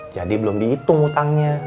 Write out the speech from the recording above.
jadi belum dihitung utangnya